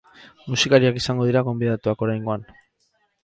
Musikariak izango dira gonbidatuak oraingoan.